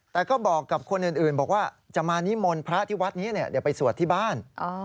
แต่ก็บอกกับคนอื่นบอกว่าจะมานิมนต์พระที่วัดนี้เดี๋ยวไปสวดที่บ้าน